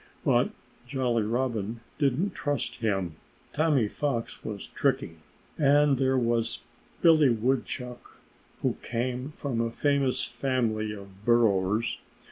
But Jolly Robin didn't trust him. Tommy Fox was tricky. And there was Billy Woodchuck, who came from a famous family of burrowers.